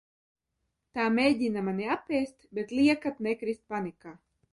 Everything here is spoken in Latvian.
Tā mēģina mani apēst, bet liekat nekrist panikā!